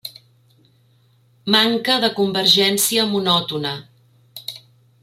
Manca de convergència monòtona.